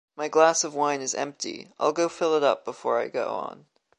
My glass of wine is empty, I’ll go fill it up before I go on.